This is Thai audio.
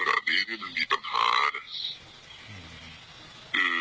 ลาดีที่มันมีปัญหาอ่า